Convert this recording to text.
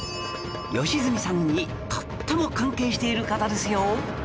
良純さんにとっても関係している方ですよ。